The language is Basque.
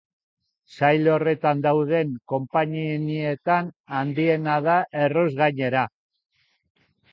Sail horretan dauden konpainietan handiena da, erruz, gainera.